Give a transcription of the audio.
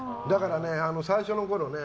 最初のころね